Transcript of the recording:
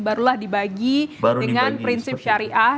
barulah dibagi dengan prinsip syariah